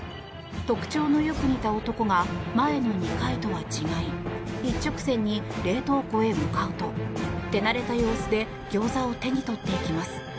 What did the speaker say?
特徴のよく似た男が前の２回とは違い一直線に冷凍庫へ向かうと手慣れた様子でギョーザを手に取っていきます。